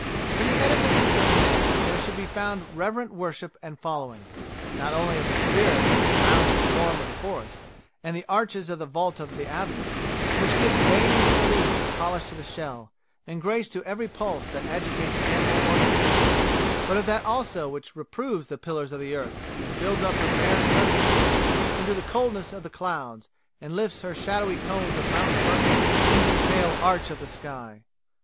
'""In the edifices of Man there should be found reverent worship and following, not only of the Spirit which rounds the form of the forest, and arches the vault of the avenue, which gives veining to the leaf and polish to the shell, and grace to every pulse that agitates animal organisation but of that also which reproves the pillars of the earth and builds up her barren precipices into the coldness of the clouds, and lifts her shadowy cones of mountain purple into the pale arch of the sky."